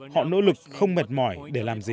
họ nỗ lực không mệt mỏi để làm gì